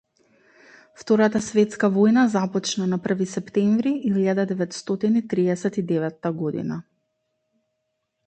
Втората светска војна започна на први септември илјада деветстотини триесет и деветта година.